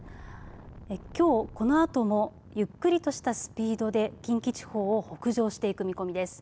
きょう、このあともゆっくりとしたスピードで近畿地方を北上していく見込みです。